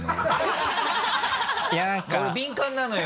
俺敏感なのよ